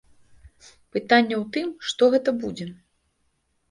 Пытанне ў тым, што гэта будзе.